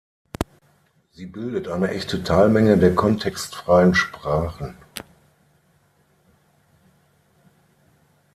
Sie bildet eine echte Teilmenge der kontextfreien Sprachen.